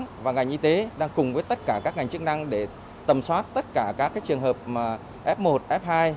các trường hợp tái dương tính và ngành y tế đang cùng với tất cả các ngành chức năng để tầm soát tất cả các trường hợp f một f hai